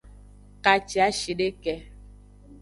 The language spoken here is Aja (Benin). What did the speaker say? Kaciashideke.